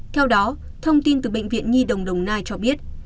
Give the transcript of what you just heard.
theo đó thông tin từ bệnh viện nhi đồng đồng nai cho biết